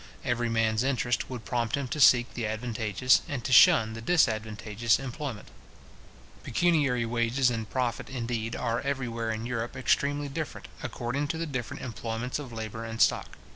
Every man's interest would prompt him to seek the advantageous, and to shun the disadvantageous employment. Pecuniary wages and profit, indeed, are everywhere in Europe extremely different, according to the different employments of labour and stock.